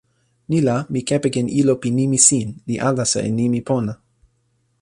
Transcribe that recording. ni la, mi kepeken ilo pi nimi sin, li alasa e nimi pona.